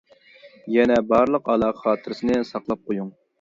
يەنە بارلىق ئالاقە خاتىرىسىنى ساقلاپ قويۇڭ.